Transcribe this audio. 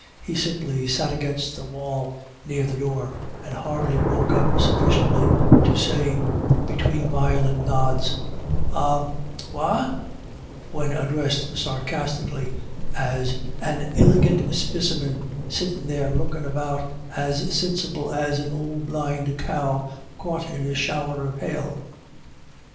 He simply sat leaning against the wall near the door, and hardly woke up sufficiently to say, between violent nods, " Aw — whaw ?" when addressed sarcastically i GOT THE BETTER OF. 121 as w An iligant spicimin, sittin' there lookin* about as sinsible as an ould blind cow caught in a shower o' hail."